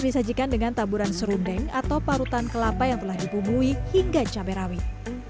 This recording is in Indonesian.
disajikan dengan taburan serundeng atau parutan kelapa yang telah dibumbui hingga cabai rawit